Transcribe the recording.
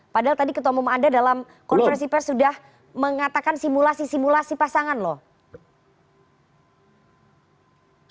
padahal tadi ketemu anda dalam konversi pers sudah mengatakan simulasi simulasi pasangan loh